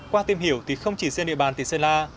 qua tìm hiểu thì không chỉ trên địa bàn tỉnh sơn la